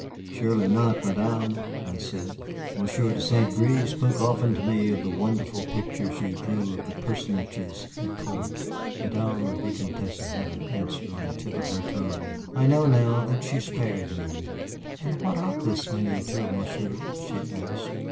"Surely not, Madame," I said. "Monsieur de St. Gré spoke often to me of the wonderful pictures you drew of the personages at court." Madame la Vicomtesse had an answer on the tip of her tongue. I know now that she spared me. "And what of this miniature, Monsieur?" she asked.